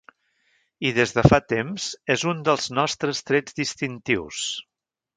I des de fa temps és un dels nostres trets distintius.